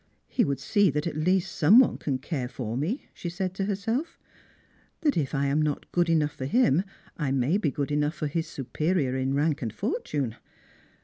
" He would see that at least some one can care for me," she daid to herself; " that if I am not good enough for him, I may be good enough for his superior in rank and fortune."